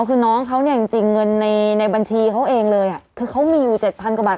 คือน้องเขาเนี่ยจริงเงินในในบัญชีเขาเองเลยอ่ะคือเขามีอยู่๗๐๐กว่าบาท